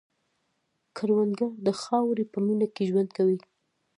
کروندګر د خاورې په مینه کې ژوند کوي